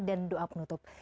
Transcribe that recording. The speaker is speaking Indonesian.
dan doa penutup